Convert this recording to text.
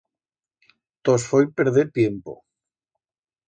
Tos foi perder tiempo.